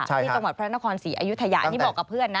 ที่จังหวัดพระนครศรีอยุธยานี่บอกกับเพื่อนนะ